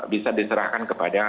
bisa diserahkan kepada